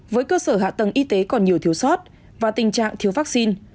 với cơ sở hạ tầng y tế còn nhiều thiếu sót và tình trạng thiếu vaccine